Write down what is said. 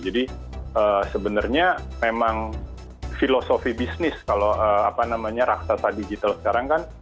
sebenarnya memang filosofi bisnis kalau apa namanya raksasa digital sekarang kan